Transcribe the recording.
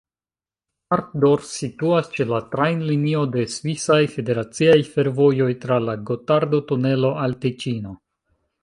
Altdorf situas ĉe la trajnlinio de Svisaj Federaciaj Fervojoj tra la Gotardo-tunelo al Tiĉino.